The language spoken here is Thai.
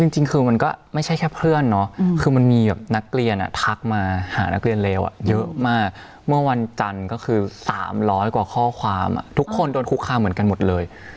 จริงคือมันก็ไม่ใช่แค่เพื่อนเนาะคือมันมีแบบนักเรียนทักมาหานักเรียนเลวเยอะมากเมื่อวันจันทร์ก็คือ๓๐๐กว่าข้อความทุกคนโดนคุกคามเหมือนกันหมดเลย